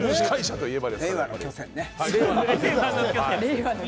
令和の巨泉ね。